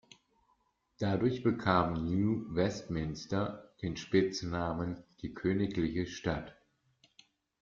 Dadurch bekam New Westminster den Spitznamen "die königliche Stadt".